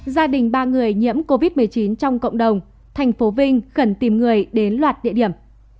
gia đình ba người nhiễm covid một mươi chín trong cộng đồng thành phố vinh khẩn tìm người đến loạt địa điểm